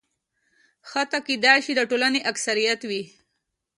حتی کېدای شي د ټولنې اکثریت وي.